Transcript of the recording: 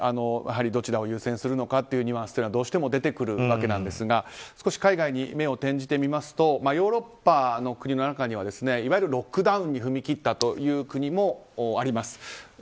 やはりどちらを優先するのかというニュアンスはどうしても出てくるわけなんですが少し海外に目を転じてみますとヨーロッパの国の中にはいわゆるロックダウンに踏み切った国もあります。